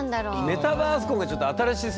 メタバース婚がちょっと新しすぎてね。